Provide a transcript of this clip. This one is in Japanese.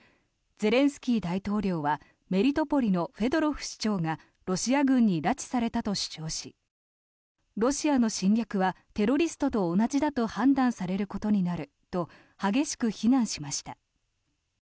ゼレンスキー大統領はメリトポリのフェドロフ市長がロシア軍に拉致されたと主張しロシアの侵略はテロリストと同じだと判断されることになると激しく非難しました。